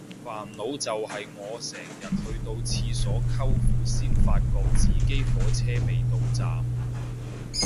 煩惱就係我成日去到廁所摳褲先發覺自己火車未到站